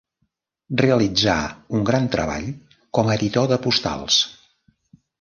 Realitzà un gran treball com a editor de postals.